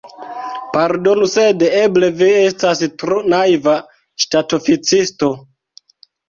Pardonu, sed eble vi estas tro naiva ŝtatoficisto!